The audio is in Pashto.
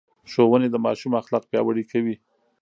ښوونې د ماشوم اخلاق پياوړي کوي.